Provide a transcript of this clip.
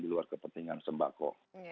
di luar kepentingan sembako